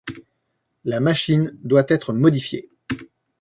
La machine doit être modifiée.